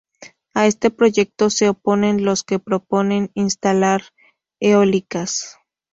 A este proyecto se oponen los que proponen instalar eólicas.